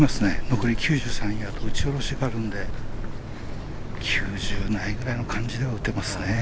残り９３ヤード打ち下ろしがあるので９０ないぐらいの感じでは打っていますね。